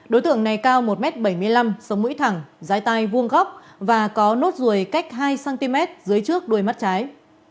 đối tượng này cao một m bảy mươi năm sống mũi thẳng dài tay vuông góc và có nốt ruồi cách hai cm dưới trước đuôi mắt trái